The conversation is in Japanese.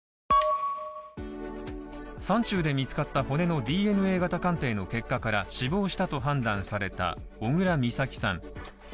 山中で見つかった骨のＤＮＡ型鑑定の結果から、死亡したと判断された小倉美咲さん。